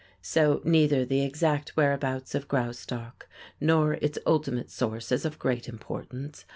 So neither the exact whereabouts of Graustark nor its ultimate source is of great importance.